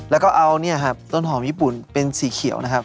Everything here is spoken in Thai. แล้วก็เอาเนี่ยครับต้นหอมญี่ปุ่นเป็นสีเขียวนะครับ